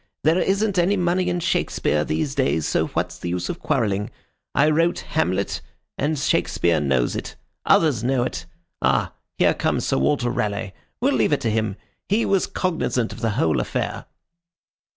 There isn't any money in Shakespeare these days, so what's the use of quarrelling? I wrote Hamlet, and Shakespeare knows it. Others know it. Ah, here comes Sir Walter Raleigh. We'll leave it to him. He was cognizant of the whole affair."